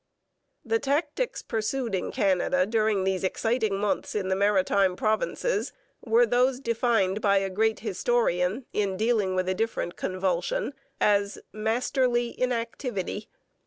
] The tactics pursued in Canada during these exciting months in the Maritime Provinces were those defined by a great historian, in dealing with a different convulsion, as 'masterly inactivity.'